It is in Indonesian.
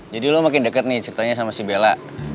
jadi lo makin deket nih ceritanya sama si bella